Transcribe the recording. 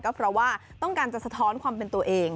ก็เพราะว่าต้องการจะสะท้อนความเป็นตัวเอง